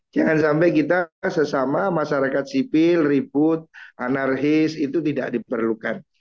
jangan sampai kita sesama masyarakat sipil ribut anarkis itu tidak diperlukan